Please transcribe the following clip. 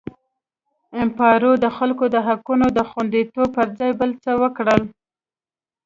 امپارو د خلکو د حقونو د خوندیتوب پر ځای بل څه وکړل.